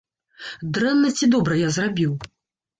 Дрэнна ці добра я зрабіў?